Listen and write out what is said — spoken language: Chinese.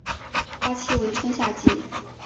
花期为春夏季。